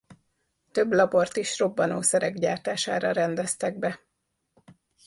Több labort is robbanószerek gyártására rendeztek be.